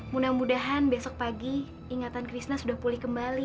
mudah mudahan besok pagi ingatan krisna sudah pulih kembali